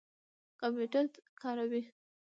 کمپیوټر کاروئ؟